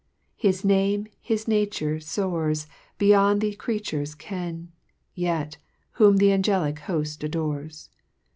2 His Name, his Nature, foars Beyond the creature's ken! Yet, whom th' angelic hoft adores.